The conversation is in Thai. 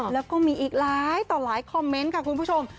แล้วก็มีอีกหลายต่อหลายคอมเมนต์ค่ะคุณผู้ชม